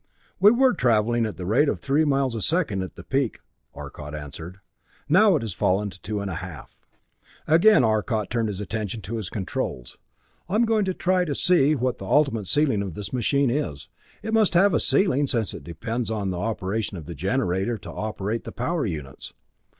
"We were traveling at the rate of three miles a second at the peak." Arcot answered. "Now it has fallen to two and a half." Again Arcot turned his attention to his controls. "I'm going to try to see what the ultimate ceiling of this machine is. It must have a ceiling, since it depends on the operation of the generator to operate the power units.